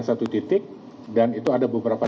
satu titik dan itu ada beberapa